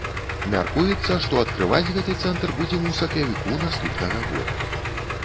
Мяркуецца, што адкрываць гэты цэнтр будзем у сакавіку наступнага года.